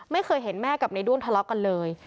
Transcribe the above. ไม่เคยเห็นแม่กับในด้วงทะเลาะกันเลย